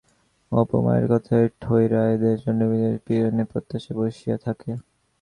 অপু মায়ের কথায় ঠোয় রায়েদের চণ্ডীমণ্ডপে পিওনের প্রত্যাশায় বসিয়া থাকে।